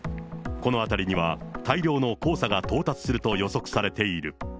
この辺りには、大量の黄砂が到達すると予測されている。